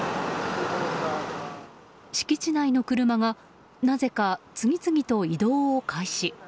敷地内の車がなぜか次々と移動を開始。